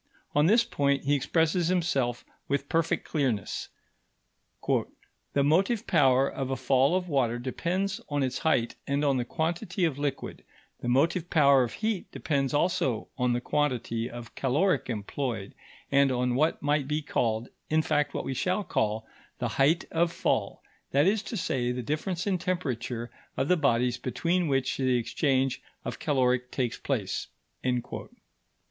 On this point he expresses himself with perfect clearness: "The motive power of a fall of water depends on its height and on the quantity of liquid; the motive power of heat depends also on the quantity of caloric employed, and on what might be called in fact, what we shall call the height of fall, that is to say, the difference in temperature of the bodies between which the exchange of caloric takes place."